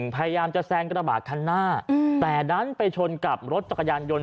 พยายามจะแซงกระบาดคันหน้าแต่ดันไปชนกับรถจักรยานยนต์